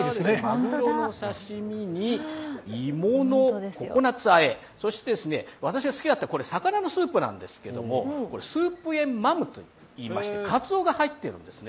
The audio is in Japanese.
まぐろの刺身に芋のココナッツあえ、そして私が好きだった、これ魚のスープなんですがスープエンマムといいましてかつおが入っているんです。